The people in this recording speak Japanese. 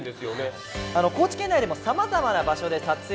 高知県内でもさまざまな場所で撮影が行われました。